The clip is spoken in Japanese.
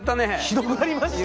広がりましたね！